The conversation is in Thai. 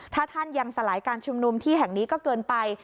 ถ้าท่านยังสลายการชุมนุมที่แห่งนี้ก็เกินไป